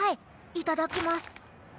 いただきます。